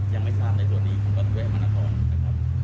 ยังไม่ทราบในส่วนนี้ผมก็จะเว้ยมานาทรนะครับ